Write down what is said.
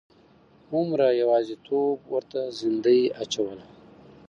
هومره یوازیتوب ورته زندۍ اچوله.